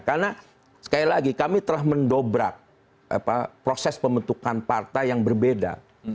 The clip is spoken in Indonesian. karena sekali lagi kami telah mendobrak proses pembentukan partai yang berbeda